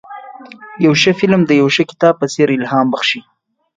یو ښه فلم د یو ښه کتاب په څېر الهام بخښي.